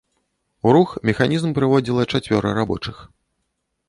У рух механізм прыводзіла чацвёра рабочых.